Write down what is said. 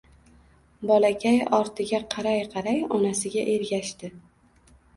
Bolakay ortiga qaray-qaray onasiga ergashdi